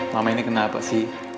mama ini kenapa sih